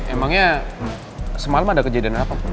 emangnya semalem ada kejadian apa